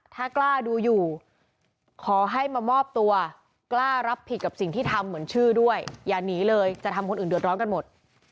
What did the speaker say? ถ้ากล้าดูอยู่ขอให้มามอบตัวกล้ารับผิดกับสิ่งที่ทำเหมือนชื่อด้วยอย่าหนีเลยจะทำคนอื่นเดือดร้อนกันหมด